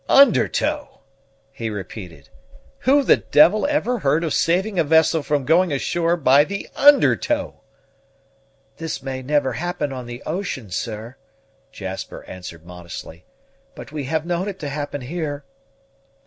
"Under tow!" he repeated; "who the devil ever heard of saving a vessel from going ashore by the under tow?" "This may never happen on the ocean, sir," Jasper answered modestly; "but we have known it to happen here."